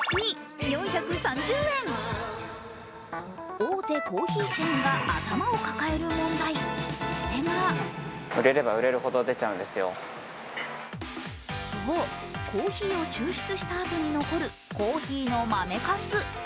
大手コーヒーチェーンが頭を抱える問題、それがそう、コーヒーを抽出したあとに残るコーヒーの豆かす。